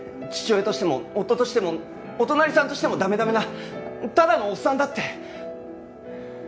父親としても夫としてもお隣さんとしても駄目駄目なただのおっさんだって。